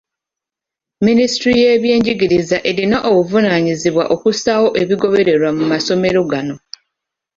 Minisitule y’ebyenjigiriza erina obuvunaanyizibwa okussaawo ebigobererwa mu masomero gano.